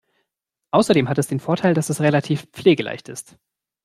Außerdem hat es den Vorteil, dass es relativ pflegeleicht ist.